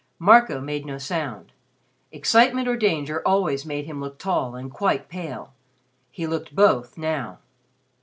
Marco made no sound. Excitement or danger always made him look tall and quite pale. He looked both now.